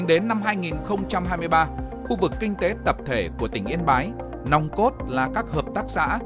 đến năm hai nghìn hai mươi ba khu vực kinh tế tập thể của tỉnh yên bái nòng cốt là các hợp tác xã